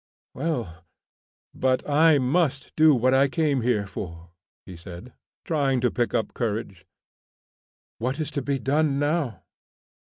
"Well, but I must do what I came here for," he said, trying to pick up courage. "What is to be done now?"